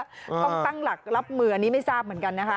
ต้องตั้งหลักรับมืออันนี้ไม่ทราบเหมือนกันนะคะ